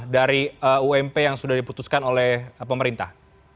dari ump yang sudah diputuskan oleh pemerintah